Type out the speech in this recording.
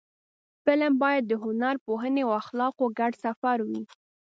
فلم باید د هنر، پوهنې او اخلاقو ګډ سفر وي